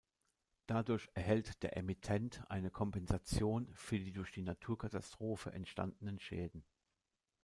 Dadurch erhält der Emittent eine Kompensation für die durch die Naturkatastrophe entstandenen Schäden.